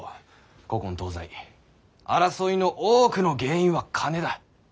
古今東西争いの多くの原因は金だ。